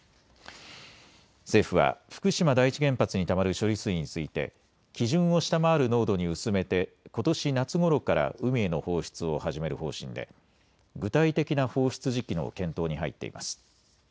政府は福島第一原発にたまる処理水について基準を下回る濃度に薄めてことし夏ごろから海への放出を始める方針で具体的な放出時期の検討に入っています。